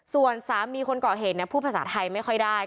ส่วนสามีคนเกาะเหตุพูดภาษาไทยไม่ค่อยได้